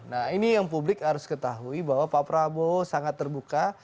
nah ini yang publik harus ketahui bahwa pak prabowo sangat terbuka